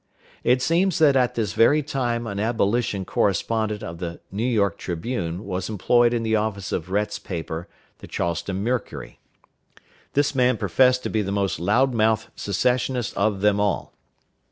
It seems that at this very time an abolition correspondent of the New York Tribune was employed in the office of Rhett's paper, the Charleston Mercury. This man professed to be the most loud mouthed secessionist of them all.